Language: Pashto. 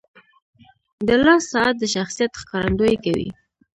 • د لاس ساعت د شخصیت ښکارندویي کوي.